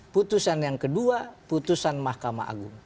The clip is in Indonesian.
putusan yang kedua putusan mahkamah agung